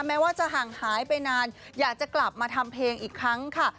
แม้ว่าจะห่างหายไปนานอยากจะกลับมาทำเพลงอีกครั้งค่ะ